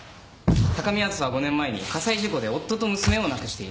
高見梓は５年前に火災事故で夫と娘を亡くしている。